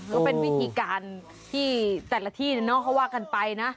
ก็เป็นวิธีการที่แต่ละที่เขาว่ากันไปนะ